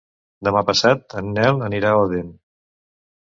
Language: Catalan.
Demà passat en Nel anirà a Odèn.